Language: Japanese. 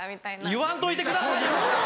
言わんといてくださいよ！